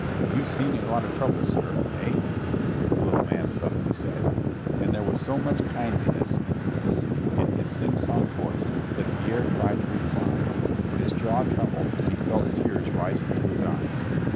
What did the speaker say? "You've seen a lot of trouble, sir, eh?" the little man suddenly said. And there was so much kindliness and simplicity in his singsong voice that Pierre tried to reply, but his jaw trembled and he felt tears rising to his eyes.